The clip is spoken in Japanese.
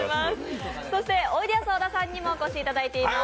おいでやす小田さんにもお越しいただいています。